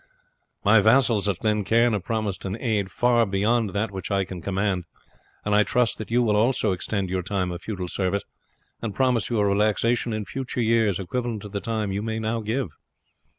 My vassals at Glen Cairn have promised an aid far beyond that which I can command, and I trust that you also will extend your time of feudal service, and promise you a relaxation in future years equivalent to the time you may now give."